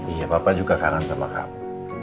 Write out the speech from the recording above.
iya bapak juga kangen sama kamu